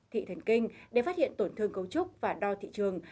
thị thần kinh để phát hiện tổn thương cấu trúc và đo thị trường